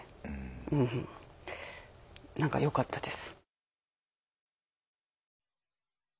うんなんかよかったです。